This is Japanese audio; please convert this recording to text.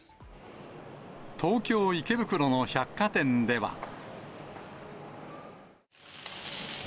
東京・池袋の百貨店では。